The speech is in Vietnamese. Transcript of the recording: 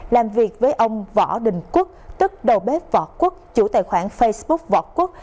làm việc với ông võ đình quốc tức đầu bếp võ quốc chủ tài khoản facebook võ quốc